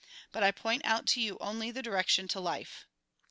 But I point out to you only the direction to life.